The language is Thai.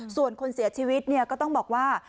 ส่วนคนเสียชีวิตก็ต้องบอกว่า